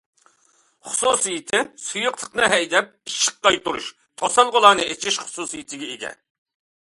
خۇسۇسىيىتى سۇيۇقلۇقنى ھەيدەپ، ئىششىق قايتۇرۇش، توسالغۇلارنى ئېچىش خۇسۇسىيىتىگە ئىگە.